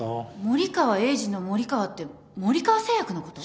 森川栄治の森川って森川製薬のこと？